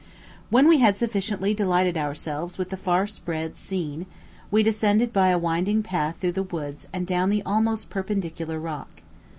When we had sufficiently delighted ourselves with the far spread scene, we descended by a winding path through the woods and down the almost perpendicular rock.